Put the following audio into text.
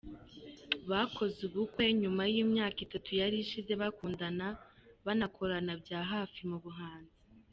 Bakoze ubukwe nyuma y’imyaka itatu yari ishize bakundana banakorana bya hafi mu buhanzi.